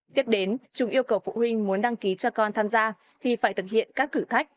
tiếp đến chúng yêu cầu phụ huynh muốn đăng ký cho con tham gia thì phải thực hiện các thử thách